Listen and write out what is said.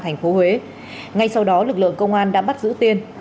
ngay sau đó lực lượng công an đã bắt giữ tiên